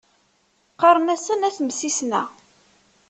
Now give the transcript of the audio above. Qqaṛen-asen At Msisna.